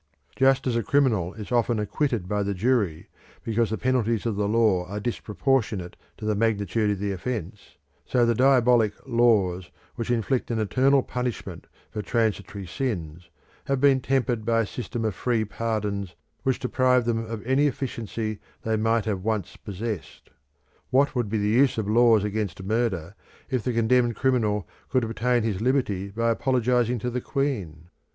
Just as a criminal is often acquitted by the jury because the penalties of the law are disproportioned to the magnitude of the offence, so the diabolic laws which inflict an eternal punishment for transitory sins have been tempered by a system of free pardons which deprive them of any efficiency they might have once possessed. What would be the use of laws against murder if the condemned criminal could obtain his liberty by apologising to the Queen?